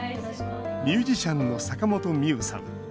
ミュージシャンの坂本美雨さん。